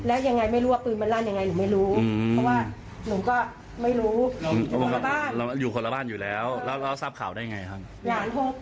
แล้วยังไงไม่รู้ว่าปืนมันลั่นยังไงหนูไม่รู้เพราะว่าหนูก็ไม่รู้อยู่คนละบ้านอยู่แล้วแล้วเราทราบข่าวได้ไงครับ